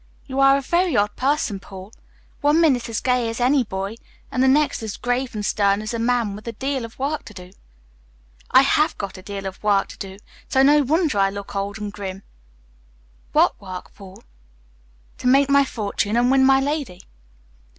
You are a very odd person, Paul; one minute as gay as any boy, and the next as grave and stern as a man with a deal of work to do." "I have got a deal of work to do, so no wonder I look old and grim." "What work, Paul?" "To make my fortune and win my lady."